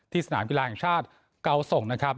ที่สนามวิทยาลัยแห่งชาติเกาส่งนะครับ